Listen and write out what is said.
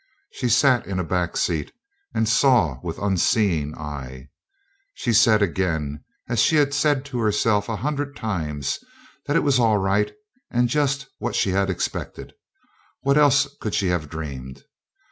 She sat in a back seat, and saw with unseeing eyes. She said again, as she had said to herself a hundred times, that it was all right and just what she had expected. What else could she have dreamed?